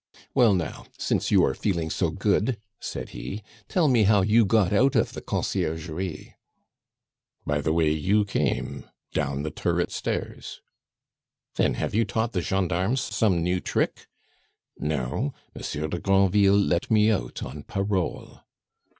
"Well, now, since you are feeling so good," said he, "tell me how you got out of the Conciergerie?" "By the way you came; down the turret stairs." "Then have you taught the gendarmes some new trick?" "No, Monsieur de Granville let me out on parole."